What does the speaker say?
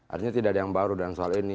artinya tidak ada yang baru dalam soal ini